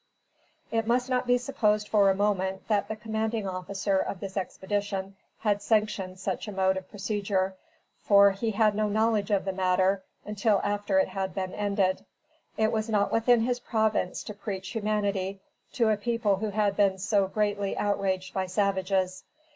It must not be supposed for a moment that the commanding officer of this expedition had sanctioned such a mode of procedure, for, he had no knowledge of the matter until after it had been ended. It was not within his province to preach humanity to a people who had been so greatly outraged by savages.